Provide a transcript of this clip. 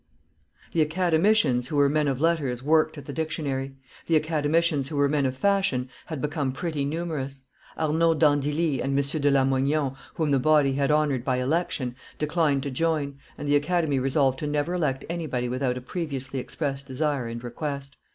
The Academicians who were men of letters worked at the Dictionary; the Academicians who were men of fashion had become pretty numerous; Arnauld d'Andilly and M. de Lamoignon, whom the body had honored by election, declined to join, and the Academy resolved to never elect anybody without a previously expressed desire and request.